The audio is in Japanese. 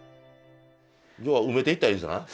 要は埋めていったらいいんですな。